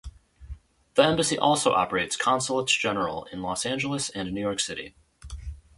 The embassy also operates Consulates-General in Los Angeles, and New York City.